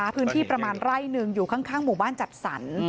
พื้นที่ประมาณไร่หนึ่งอยู่ข้างหมู่บ้านจัดสรร